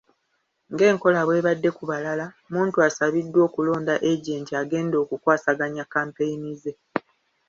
Ng'enkola bw'ebadde ku balala, Muntu asabiddwa okulonda agenti agenda okukwasaganya kkampeyini ze